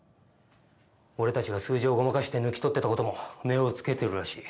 俺たちが数字をごまかして抜き取ってた事も目をつけてるらしい。